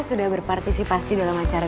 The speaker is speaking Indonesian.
sudah berpartisipasi dalam acara